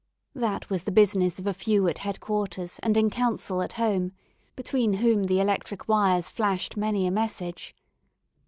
That was the business of a few at head quarters and in council at home, between whom the electric wires flashed many a message.